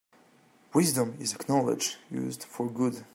Wisdom is knowledge used for good.